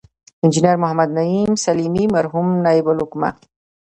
انجنیر محمد نعیم سلیمي، مرحوم نایب الحکومه